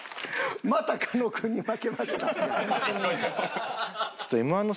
また狩野君に負けましたね。